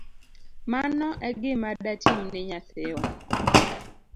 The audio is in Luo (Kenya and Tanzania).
Mano egima datimni nyathiwa